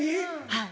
はい。